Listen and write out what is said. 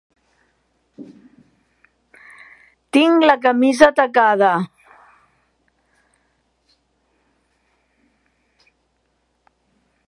Tinc la camisa tacada.